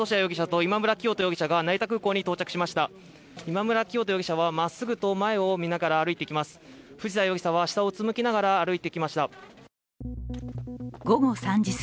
今村磨人容疑者はまっすぐと前を見ながら歩いてきます。